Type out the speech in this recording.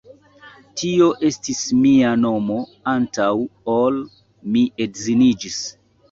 Tio estis mia nomo antaŭ ol mi edziniĝis!